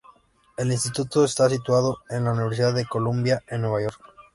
El instituto está situado en la Universidad de Columbia en Nueva York.